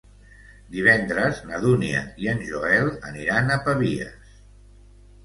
Divendres na Dúnia i en Joel aniran a Pavies.